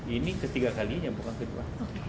ini ketiga kalinya bukan kedua